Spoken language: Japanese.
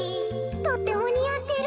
とってもにあってる。